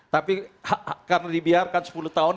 tapi karena dibiarkan sepuluh tahun